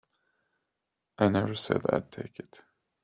I never said I'd take it.